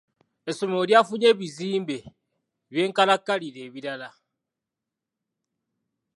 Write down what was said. Essomero lyafunye ebizimbe by'enkalakkalira ebirala.